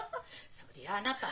そりゃあなた